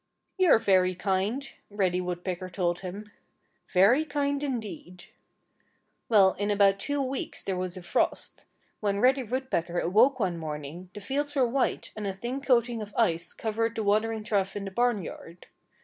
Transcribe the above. "You're very kind," Reddy Woodpecker told him. "Very kind indeed!" Well, in about two weeks there was a frost. When Reddy Woodpecker awoke one morning the fields were white and a thin coating of ice covered the watering trough in the barnyard.